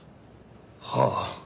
はあ。